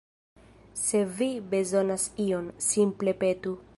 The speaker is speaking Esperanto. Se vi bezonas ion, simple petu.